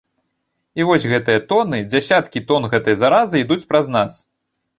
І вось гэтыя тоны, дзясяткі тон гэтай заразы ідуць праз нас.